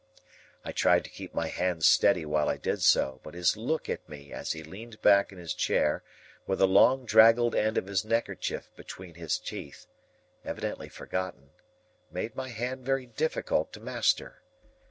I tried to keep my hand steady while I did so, but his look at me as he leaned back in his chair with the long draggled end of his neckerchief between his teeth—evidently forgotten—made my hand very difficult to master.